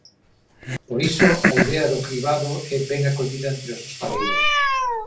Por iso a idea do cribado é ben acollida entre os hostaleiros.